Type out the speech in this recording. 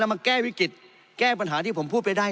มาแก้วิกฤตแก้ปัญหาที่ผมพูดไปได้